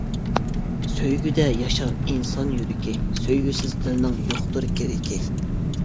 سۆيگۈدە ياشار ئىنسان يۈرىكى، سۆيگۈسىز دىلنىڭ يوقتۇر كىرىكى.